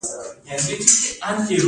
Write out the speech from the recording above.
د ازبکانو سیمې په شمال کې دي